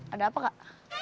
ada apa kak